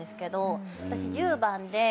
私１０番で。